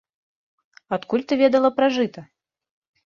Адкуль ты ведала пра жыта?